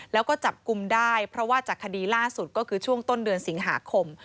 แล้วก็จับกลุ่มได้เพราะว่าจากคดีล่าสุดก็คือช่วงต้นเดือนสิงหาคม